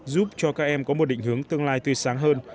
giúp cho các em có một định hướng tương lai tươi sáng hơn